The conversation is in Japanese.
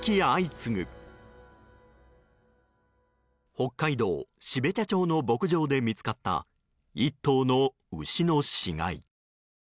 北海道標茶町の牧場で見つかった１頭の牛の死骸。